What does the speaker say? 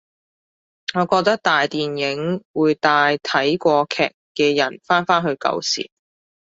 我覺得大電影會帶睇過劇嘅人返返去舊時